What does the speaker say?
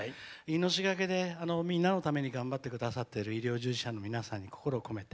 命懸けでみんなのために頑張ってくださってる医療従事者の皆さんに心を込めて。